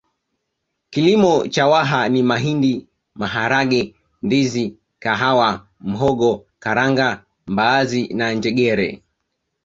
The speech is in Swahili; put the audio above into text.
Kilimo cha Waha ni mahindi maharage ndizi kahawa mhogo karanga mbaazi na njegere